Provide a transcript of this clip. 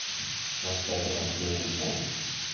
Wat stelt de rapporteur ons voor?